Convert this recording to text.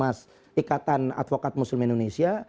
mas ikatan advokat muslim indonesia